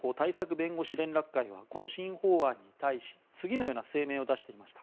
弁護士連絡会がこの新法案に対し次のような声明を出していました。